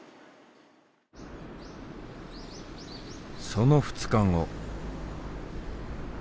その２日後。